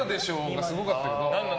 がすごかったけど。